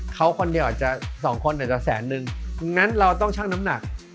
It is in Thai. เขาคนเดียวอาจจะสองคนอาจจะแสนนึงงั้นเราต้องชั่งน้ำหนัก